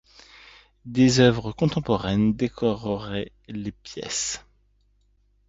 Des œuvres contemporaines décoreraient les pièces.